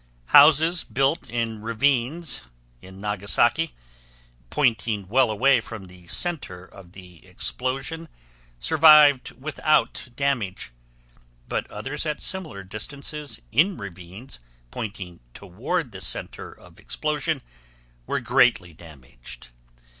Houses built in ravines in Nagasaki pointing well away from the center of the explosion survived without damage, but others at similar distances in ravines pointing toward the center of explosion were greatly damaged.